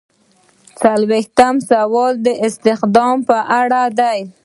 څلویښتم سوال د استخدام په اړه دی.